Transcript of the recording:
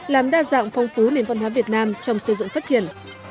làm đa dạng phong phú nền văn hóa việt nam trong xây dựng phát triển